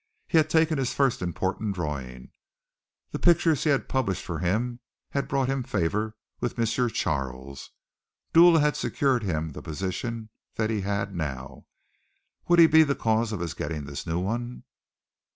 He had taken his first important drawing. The pictures he had published for him had brought him the favor of M. Charles. Dula had secured him the position that he now had. Would he be the cause of his getting this one?